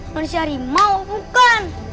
mencari mau bukan